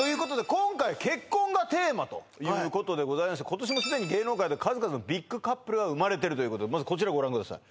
今回結婚がテーマということでございまして今年もすでに芸能界で数々のビッグカップルが生まれてるということでまずこちらご覧ください